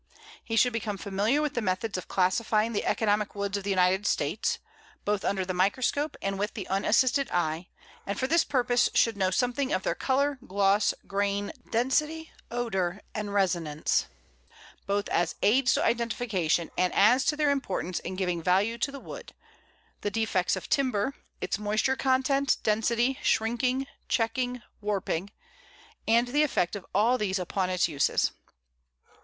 He should become familiar with the methods of classifying the economic woods of the United States, both under the microscope and with the unassisted eye, and for this purpose should know something of their color, gloss, grain, density, odor, and resonance both as aids to identification and as to their importance in giving value to the wood; the defects of timber; its moisture content, density, shrinking, checking, warping; and the effect of all these upon its uses.